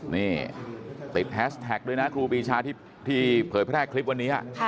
นี่ติดแฮชแท็กด้วยนะครูปีชาที่เผยแพร่คลิปวันนี้